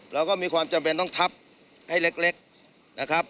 เราก็มีความจำเป็นต้องทับให้เล็กนะครับ